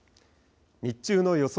日中の予想